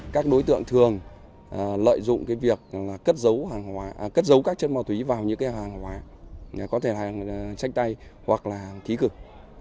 các đối tượng thường lợi dụng việc cất dấu các chất ma túy vào những hàng hóa có thể là trách tay hoặc là khí cực